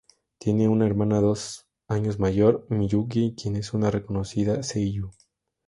Tiene una hermana dos años mayor, Miyuki, quien es una reconocida seiyū.